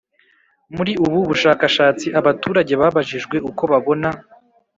Muri ubu bushakashatsi abaturage babajijwe uko babona